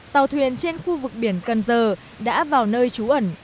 tàu thuyền trên khu vực biển cần giờ đã vào nơi trú ẩn